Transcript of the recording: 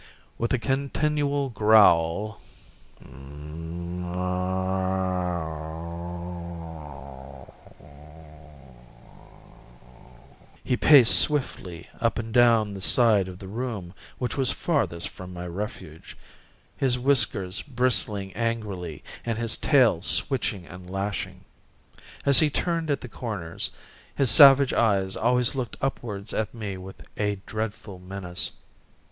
With a continual growl he paced swiftly up and down the side of the room which was farthest from my refuge, his whiskers bristling angrily, and his tail switching and lashing. As he turned at the corners his savage eyes always looked upwards at me with a dreadful menace.